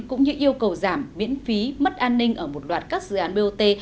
cũng như yêu cầu giảm miễn phí mất an ninh ở một loạt các dự án bot